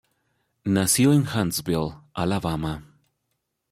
Nació en Huntsville, Alabama.